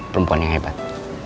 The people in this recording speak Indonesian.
perempuan yang hebat